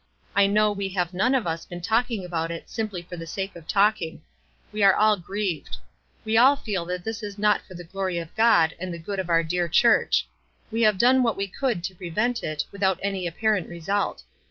I know we have none of us been talking about it simply for the sake of talking. We are till grieved. W"e all feel that this is not for the glory of God and the good of our dear church. We have done what we could to prevent it, without any apparent result.